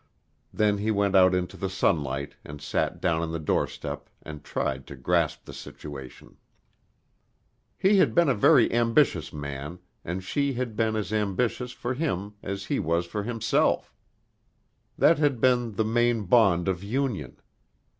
Then he went out into the sunlight and sat down on the doorstep and tried to grasp the situation. He had been a very ambitious man, and she had been as ambitious for him as he was for himself; that had been the main bond of union.